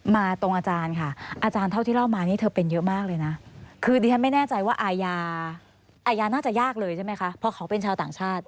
ตรงอาจารย์ค่ะอาจารย์เท่าที่เล่ามานี่เธอเป็นเยอะมากเลยนะคือดิฉันไม่แน่ใจว่าอายาน่าจะยากเลยใช่ไหมคะเพราะเขาเป็นชาวต่างชาติ